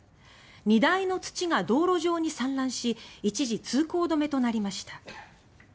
荷台の土が道路上に散乱し一時、通行止めとなりました。